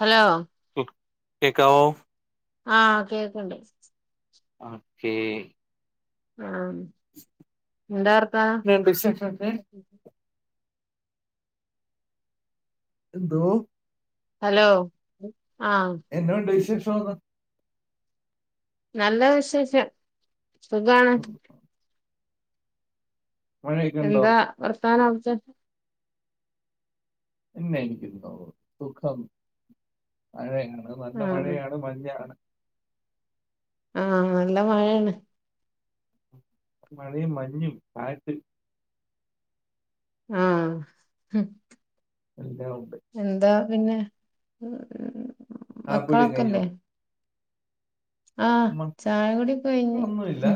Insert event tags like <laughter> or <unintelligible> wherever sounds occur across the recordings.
Hello ഉം കേക്കാവോ ആ കേക്കിണ്ട് ഓക്കേ ആ <unintelligible> വിശേഷൊക്കെ? എന്തോ ഹലോ ആഹ് എന്നാ ഒണ്ട് വിശേഷ് നല്ല വിശേഷം സുഖാണ് ഉം മഴയൊക്കെ ഉണ്ടോ എന്താ വർ <unintelligible> പിന്നെ എനിക്ക് <unintelligible> സുഖം മഴയെ നല്ല ആഹ് മഴയാണ് മഞ്ഞാണ് ആഹ് നല്ല മഴയാണ് മഴയും മഞ്ഞും കാറ്റും ആഹ് <unintelligible> എന്താ പിന്നെ കാപ്പികുടി മക്കളൊക്കെല്ലേ? ആഹ് <unintelligible> ചായ കുടി കഴിഞ്ഞ് ഒന്നുവില്ല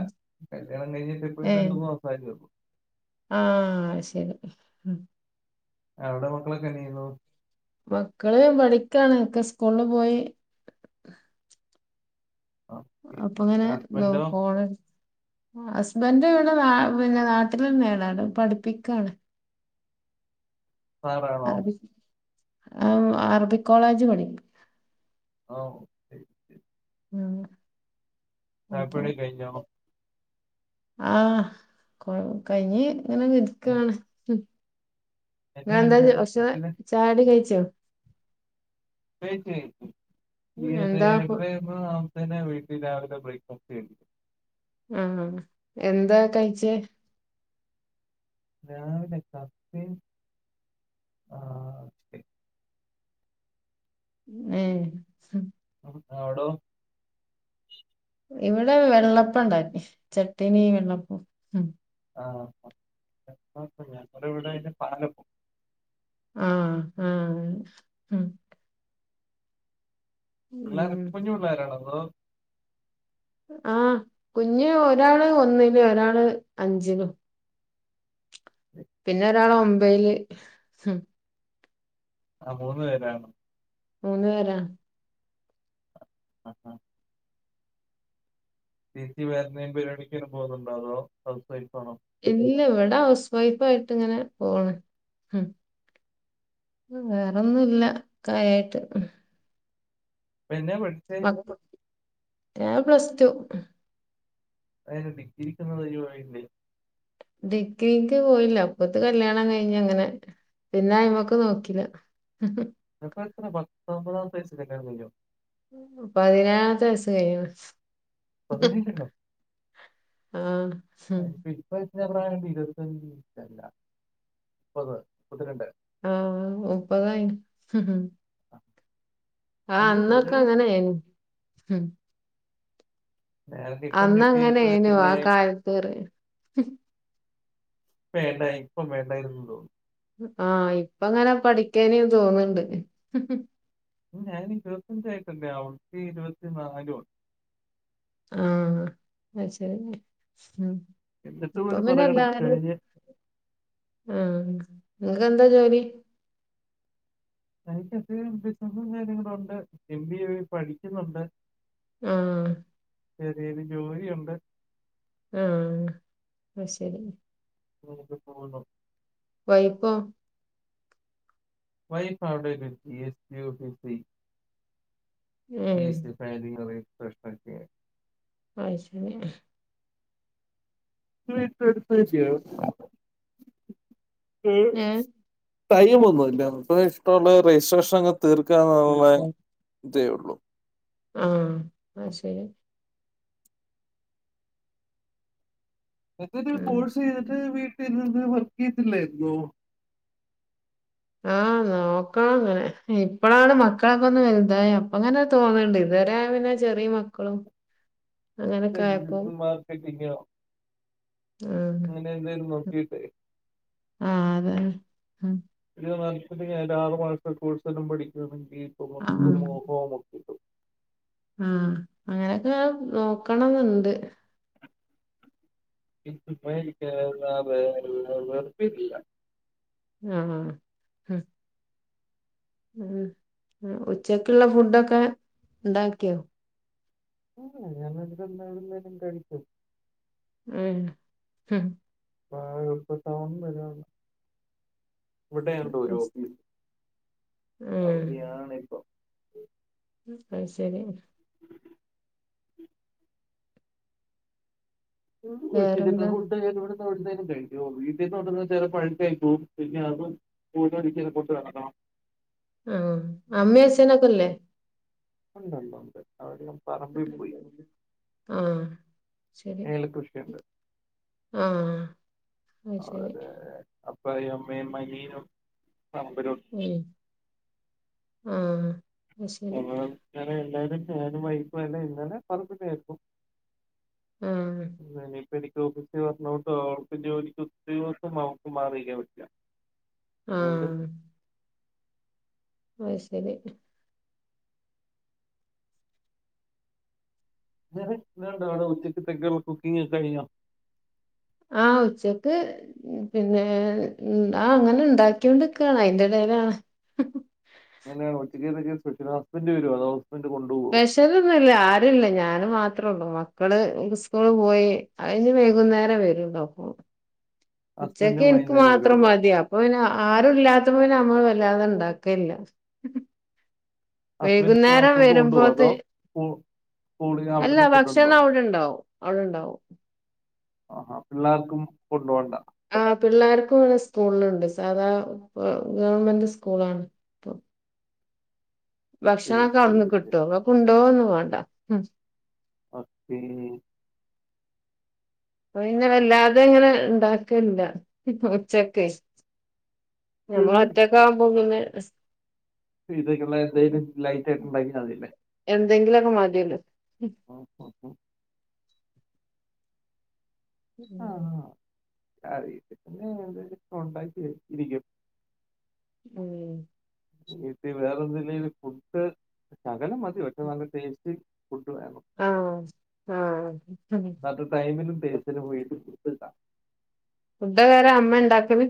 കല്യാണം കഴിഞ്ഞിട്ട് ഇപ്പഴ്‌ത്തേന് രണ്ടു മൂന്നു മാസായതേ ഒള്ളൂ ആ ശെരി അവടെ മക്കളൊക്കെന്നയ്യുന്നു മക്കള് പഠിക്കാണ് ഒക്കെ സ്കൂളില് പോയി ഓക്കേ അപ്പൊ ങ്ങനെ നോ ഹസ്ബൻഡോ ഫോണെട്ത്ത് ഹസ്ബൻഡ വീടെ ന പിന്നെ നാട്ടിലെന്നെണ് അടെ പഠിപ്പിക്കണ് പറണോ ആ അറബി കോളേജ് പഠിപ്പിക്ക ഓ ശെരി ഉം തറപ്പണിക്കെ കഴിഞ്ഞോ ആഹ കൊ കയ്ഞ്ഞ് അങ്ങനെ എ- നിൽക്കാണ്ന്ന് എന്നാ ഇങ്ങളെന്താ ഉണ്ട് ചെ അവിടെ സ്പെഷ്യല് <unintelligible> ചായുടി കഴിച്ചോ കഴിച്ച് കഴിച്ച് ഈ എന്താ ഫു- <unintelligible> വി ഇ രാവിലത്തെ ബ്രേക്ക്ഫാസ്റ്റ് <unintelligible> ആ എന്താ കഴിച്ചേ രാവിലെ കപ്പിം ആ ഏ ഓടൊ ഇവിടെ വെള്ളപ്പ ണ്ടാക്കി ചട്ടിനിവെള്ളപ്പോം ഉം ആ ഞങ്ങളിവിടെ അതിന് പാലപ്പം ആ ആ ഉം പിള്ളേര ഉം. കുഞ്ഞു പിള്ളോരാണോ ഓ ആഹ കുഞ്ഞ് ഒരാള് ഒന്നില് ഒരാള് അഞ്ചില് പിന്നെ ഒരാള് ഒമ്പൈയില് ആ മൂന്ന് പേരാണ് മൂന്ന് പേരാ അ ആ ആ ചേചി വേറെന്നേലും പരിവാടി ക്കേനും പോകുന്നുണ്ടോ അതോ ഹൗസ് വൈഫാണോ ഇല്ല ഇവിടെ ഹൗസ് വൈഫായിട്ട് ങ്ങനെ പോണ് ഉം വേറൊന്നുല്ല കാര്യായിട്ട് എന്നാ പഠിച്ചേ ഞാ പ്ലസ് ടു അയെനെ ഡിഗ്രി ക്കൊന്നു <unintelligible> ഡിഗ്രിക്ക് പോയില്ല അപ്പത്ത് കല്യാണം കഴിഞ്ഞ ങ്ങനെ പിന്നെ അയ്മക്ക് നോക്കില്ല ഇപ്പ എത്ര പത്തൊമ്പതാമത്തെ വയസ്സില് കല്ല്യാണം കഴിഞ്ഞോ പതിനെഴാമത്തെ വയസ്സ് കഴിഞ്ഞ്ണ് പതിനേഴ് ലോ ആ ഉം അ ഇപ്പ പ്പ പ്രായണ്ട് ഇരുത്തഞ്ജ് അല്ല മുപ്പത് മുപ്പത്തിരണ്ട് ആഹ് മുപ്പത്കഴിഞ് ആഹ് അയ്യോ അന്നൊക്കെ പതിനേഴ് വയസ്സ്. അങ്ങനെയി ഉം ഞാനൊക്കെ ഇപ്പം അന്ന് കിട്ടിയിട്ട് അങ്ങനെനോ ആ തന്നെ കാലത്ത്റെ പെണ്ട ഇപ്പൊ വേണ്ടായിരുന്നുന്ന് തോന്നു ആഹ് ഇപ്പ അങ്ങനെ പഠിക്കാനേ തോന്നണ്ട് ഞാൻ ഇരുപത്തിഞ്ചായിട്ട്ണ്ട അവക്ക് ഇരുപത്തി നാലുവാ ആഹ് അയ്ശരി ഉം എന്നിട്ടും ഇപ്പ ഒരു കുറെ പിന്നെ കൂടെ എല്ലാരും കഴിഞ്ഞ് ആ നിനക്ക്ന്താ ജോലി? എനിക്ക്ത്രം ബിസിനസും കാര്യങ്ങളുംണ്ട് എം ബി എ പഠിക്കുന്നുണ്ട് ആഹ് ചെറിയൊരു ജോലിയുണ്ട് ആഹ് അയ്ശരി <unintelligible> പോണോ വൈഫോ? വൈഫ് അവിടൊരു ജി എസ്‌ ടി ഓഫിസി ഏഹ് ഈസ് <unintelligible> പ്രശ്നൊക്കെയാ അയ്ശരി <unintelligible> ചെയ ഉം ഏഹ് ടൈം ഒന്നും ഇല്ല <unintelligible> <unintelligible> രജിസ്ട്രേഷൻ അങ്ങ് തീർക്കാന്ന് തേ ഉള്ളൂ ആ അയ്ശരി എന്തെങ്കിലും ഉം കോഴ്സ് ചെയ്തിട്ട് വീട്ടിൽ നിന്ന് ത്തിലായിരുന്നോ ആ നോക്കാം അങ്ങനെ ഇപ്പഴാണ് മക്കളൊക്കെ ഒന്ന് വലുതായെ അപ്പങ്ങനെ തോന്നണ്ട് ഇതുവരെ പിന്നെ ചെറിയ മക്കളും അങ്ങനൊക്കെ ഇപ്പ ആയപ്പോ ഡിജിറ്റൽ മാർക്കറ്റിംഗോ ആഹ് അങ്ങനെ എന്തേലും നോക്കിട്ടെ ആ അതെ ഉം <inaudible> ഒരു ആറ് മാസത്തെ കോഴ്സ് ഒന്നും പഠിക്ക <unintelligible> ആ അങ്ങനെയൊക്കെ നോക്കണംന്നുണ്ട് <inaudible> വെറുപ്പില്ല ആഹ് ഉം ഉം ഉച്ചക്കുള്ള ഫുഡൊക്കെ ഉണ്ടാക്കിയോ കഴിക്കും <unintelligible> ആ ആ ഇപ്പംടൗണ് വരാണ് ഇവിടെയാണ്ടോരു ഓഫീ ഉം അൗടിയാണിപ്പൊ അത് ശരി വിളിച്ചിട്ട് ഒക്കെ വേറെന്താ ഫുഡ് <unintelligible> എവിടെന്നെലും കഴിക്കും വീട്ടീന്ന് ചെലപഴുക്കായി പോവും പിന്നെ അതും പൊടിഞ്ഞോണ്ടിങ്ങനെ കൊണ്ടുനടക്കണം ആഅമ്മയച്ഛനൊക്കല്ലേ ഉണ്ടല്ലോ ഉണ്ട് അവരെല്ലാം ആ ശരി ഏലകൃഷിയുണ്ട് ആ അയ്ശരി പറയമ്മേ മലീനം <inaudible> ആ അങ്ങനെ ങ്ങനെ എന്തായും അ ഞാനും വൈഫും എല്ലാം ഇന്നലെ പറമ്പി ആായിരിക്കും ആ എനിക്ക് ഓഫീസിൽ വരണോണ്ടും അവക്ക് ജോലിക്ക് ഒരു ദിവസം അവക്ക് മാറിക്കാൻ പറ്റില്ല ആ അതുകൊണ്ട് അയ്ശരി വേറെ വേറെന്താണ് ഉച്ചക്ക് തെക്കുള്ള കുക്കിങ്ങോക്കെ കഴിഞ്ഞോ ആ ഉച്ചക്ക് പിന്നെ ആ അങ്ങനെ ഉണ്ടാക്കിയൊണ്ട്ക്കാണ് അയിന്റെ ഇടയിലാണ് എങ്ങനെയാണ്ഉച്ചയ്ക്ക്തെക്ക്‌ സ്പെഷ്യല് ഹസ്ബൻഡ് വരോ അതോ <unintelligible> സ്പെഷ്യൽ ഇല്ല ആരും ഇല്ല ഞാൻ മാത്രേ മക്കള് സ്കൂളിൽ പോയി അവര് ഇനി വൈകുന്നേരം വെരൂള്ളു ഉച്ചക്ക് ഹസ്ബൻഡും എനിക്ക് വൈകുന്നേരം മാത്രം വരുള്ളോ മതി അപ്പംആരും ഇല്ല അപ്പം പിന്നെ നമ്മൾ വല്ലാതെ ഉണ്ടാക്കലില്ല ഹസ്ബൻഡ് വൈകുന്നേരം ഫുഡ് കൊണ്ടുപോകുമോ വരുമ്പോഴേത്തെ അതോ സ്കൂളിൽ അല്ല അവിടുന്ന് ഫുഡ് ഉണ്ടോ ഭക്ഷണം അവിടെ ഉണ്ടാകും അവിടെ ഇണ്ടാവും പിള്ളാർക്കും കൊണ്ട് പോണ്ട പിള്ളാർക്ക് സ്കൂളിൽ ഇണ്ട് സാധാ ഗവണ്മെന്റ് സ്കൂൾ ആണ് ശരി ഭക്ഷണം ഒക്കെ ശരി അവിടുന്ന് ശരി കിട്ടും മാണ്ട ഉം മത്തി പ്പൊ പിന്നെ വെല്ലാതെങ്ങനെ ഇണ്ടാക്കലില്ല ഉച്ചക്ക് നമ്മൾ ഒറ്റക്കാവുമ്പോ പിന്നെ <unintelligible> <unintelligible> എന്തെങ്കിലൊക്കെ മതിയല്ലോ <unintelligible> ആ. ആ, <unintelligible> <unintelligible> മ് മ് വീട്ടിൽ വേറെ എന്തെങ്കിലും ഫുഡ് ശെകലം മതി പക്ഷെ നല്ല ടേസ്റ്റ് ഫുഡ്‌ വേണം ആഹ് ആഹ് <unintelligible> <unintelligible> ഫുഡോക്കെ ‌ ആരാ അമ്മ ഇണ്ടാക്കല്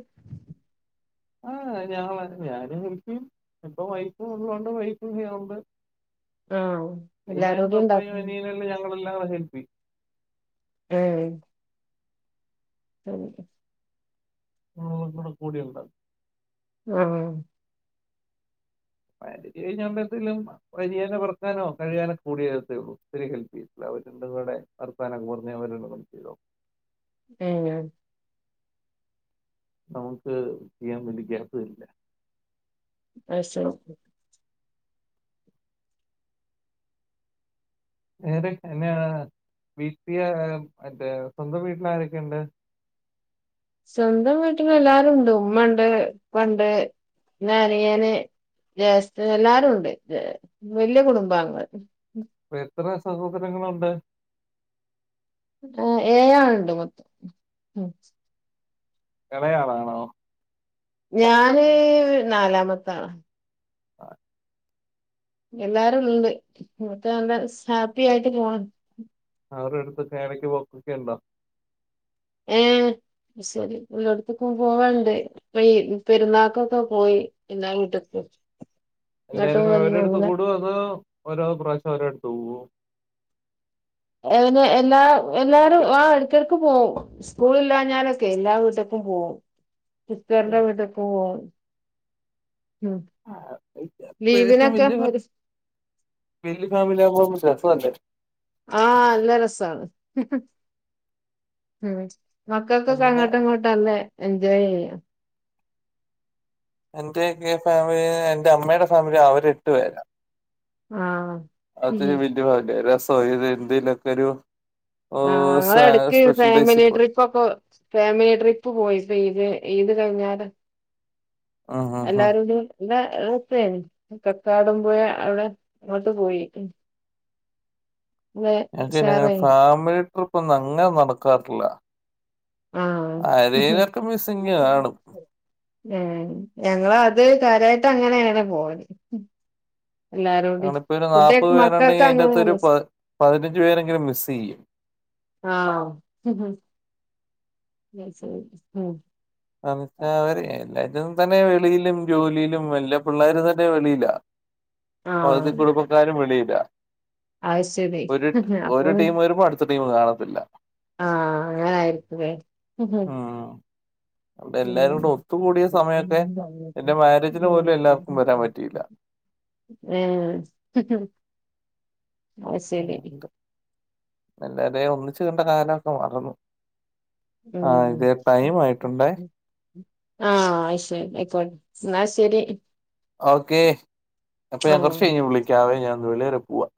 ആ ഞങ്ങളെന്നെയാ ഞാനും ഹെല്പ് ചെയ്യും ഇപ്പോ വൈഫ്‌ ഉള്ളത് കൊണ്ട് വൈഫും ചെയ്യുന്നുണ്ട് ആ എല്ലാരുടേം ഇണ്ടാക്കണേ ആ ഹെല്പ്പെയ്യും ഏ <unintelligible> കോളൊന്നും റെക്കോർഡ് ചെയ്യണ്ടാ ആ <unintelligible> <unintelligible> ആ നമ്മക്ക് ചെയ്യാൻ വേണ്ടി ഗ്യാപ് തരില്ല അതുശെരി <unintelligible> മറ്റേ സ്വന്തം വീട്ടിൽ ആരൊക്കെ ഇണ്ട് സ്വന്തം വീട്ടിൽ എല്ലാരും ഇണ്ട് ഉമ്മണ്ട് ഉപ്പണ്ട് പിന്നെ അനിയന് ജേഷ്ട്ട എല്ലാരും ണ്ട് വെല്യ കുടുംബ എത്ര സഹോദരങ്ങൾ ഉണ്ട് ഏഴ് ആള് ഇണ്ട് മൊത്തം എളേ ആളാണോ ഞാന് നാലാമത്താണ്. ആഹാ.. ! എല്ലാരും ഉണ്ട്, മക്കള് നല്ല ഹാപ്പി ആയിട്ട് പോണ്. അവരു അടുത്ത് ഒക്കെ എടക്ക് പോക്കൊക്കെ ഉണ്ടോ? ഏയ... ശരി എല്ലായിടത്തക്കും പോവാണ്ട് ഇപ്പോ ഈ- പെരുന്നാാക്കൊക്കെ പോയി എല്ലാ വീട്ടക്ക്. എല്ലാവരും ഓരോടുത്ത് കൂടോ അതോ ഓരോ പ്രാവശ്യം ഓരോടുത്ത് പോകോ? എല്ലാ.. എല്ലാരും ആഹാ ഇടക്കിടക്കും പോവും സ്കൂള്- ഇില്ലാഞ്ഞാലൊക്കെ എല്ലാ- വീട്ടേക്കും പോവും. <inaudible> ഉം അത്യവശ്യം ലീവിനൊക്കെ ഒരു വല്ല്യ ഫാമിലി ആകുമ്പോകൊഴപ്പല്ല. <inaudible> ആഹാ നല്ല രസാണ്. ഉം.. ! മക്കൾക്കെ എന്റെ അങ്ങോട്ടം ഇങ്ങോട്ടല്ലേ? എൻജോയ് ചെയ്യാം. എന്റെക്കെ ഫാമിലി എന്റെ- അമ്മയുടെ ഫാമിലി അവര് എട്ടു പേരാണ്. ആഹ് ഉം <unintelligible> <unintelligible> എന്തതിലൊക്കെ ഒരു. ഓഹ് ആഹാ സ്പെ എടുക്ക് സ്പെഷ്യൽ ഡേയ്സിൽ ഫാമിലി പോയി ട്രിപ്പ് ഒക്കെ- ഫാമിലി ട്രിപ്പ് പോയിപ്പോ ഇത്, ഇത് കഴിഞ്ഞാല്. ഉം ഉം ഉം എല്ലാരോടി എന്നാ- അവിത്ത കക്കാടംപോയ അവിടെ, അങ്ങോട്ട് പോയി ഉം. എനക്ക്ന്നങ്ങന ഫാമിലി ട്രിപ്പ് ഒന്നും- അങ്ങനെ നടക്കാറില്ല. ആഹ് ആരേലൊക്കെ മിസ്സിങ് കാണും. ഞങ്ങളാത് കാര്യായിട്ട് അങ്ങനേണ് പോവല്. എല്ലാരൂടി അണ ഇപ്പോ ഒരു നാല്പത് കുട്ടികൾക്ക് പേരുണ്ടെങ്കിൽ മക്കൾക്ക് അയിന്റെ അത്ത് ഒരു അങ്ങനെയാണ് ഇഷ് പതിനഞ്ചു പേരെങ്കിലും മിസ്സ്‌ ചെയും. ആഹാ ശരി ഉം.. ! <unintelligible> ഇതും തന്നെ വെളിയിലും, ജോലിയിലും വല്ല പിള്ളേര തന്നെ വെളിയിലാ. പകുതി ആഹ് കുടുംബക്കാരും വെളിയിലും. അത് ശരി ഒരു ടീം വരുമ്പ അടു- കാണത്തില്ല. ആഹാ അങ്ങനായിരിക്കുലേ. ഉം അവിടെ എല്ലാരും കൂടെ ഒത്തുകൂടിയ സമയൊക്കെ എന്റെ മാരേജിന് പോലും എല്ലാവർക്കും വരാൻ പറ്റിയില്ല. <inaudible> ആ ശരി എല്ലാരെ ഒന്നിച്ച് ണ്ട കാലൊക്കെ മറന്നു ആ ഇതേ ടൈം ആയിട്ടുണ്ടേ ആ അശെരി അയ്ക്കോട്ടെ ന്നാ ശെരി ഓക്കെ അപ്പൊ ഞാൻ ആഹ് കൊറച്ച് കഴിഞ്ഞ് വിളിക്കാവേ ഞാൻ <unintelligible> പോവാ